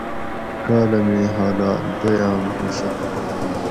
کالامیں حالات (دویام حصہ)